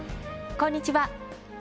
こんにちは。